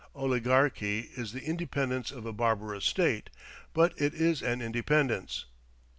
Oligarchy is the independence of a barbarous state, but it is an independence.